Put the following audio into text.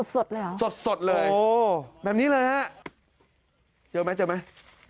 สดแล้วสดเลยแบบนี้เลยครับเจอไหมเจอไหม